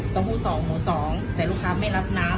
ผู้๒หมู่๒แต่ลูกค้าไม่รับน้ำ